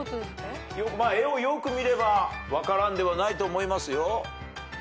絵をよく見れば分からんではないと思いますよ。